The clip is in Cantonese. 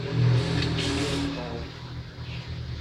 約道